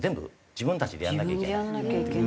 自分でやらなきゃいけないし。